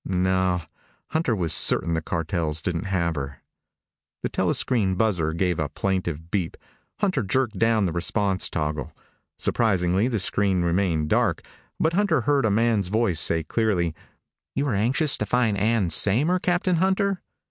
No, Hunter was certain the cartels didn't have her. The telescreen buzzer gave a plaintive bleep. Hunter jerked down the response toggle. Surprisingly, the screen remained dark, but Hunter heard a man's voice say clearly, "You are anxious to find Ann Saymer, Captain Hunter?"